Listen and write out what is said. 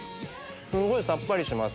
すんごいさっぱりしてます